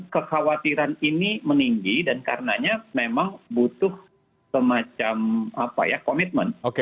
kekhawatiran ini meninggi dan karenanya memang butuh semacam komitmen